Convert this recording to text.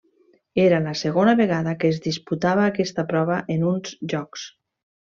Era la segona vegada que es disputava aquesta prova en uns Jocs.